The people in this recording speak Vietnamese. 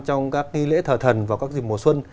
trong các nghi lễ thờ thần và các dịp mùa xuân